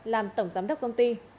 làm tổng giám đốc công ty